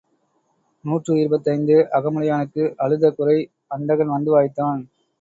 நூற்றி இருபத்தைந்து அகமுடையானுக்கு அழுத குறை அந்தகன் வந்து வாய்த்தான்.